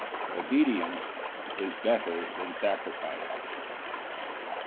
M. Obedience is better than sacrifice.